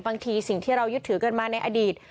บางทีสิ่งที่เรายึดถือกันมาในอดีต